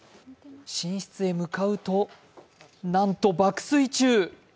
寝室へ向かうと、なんと爆睡中。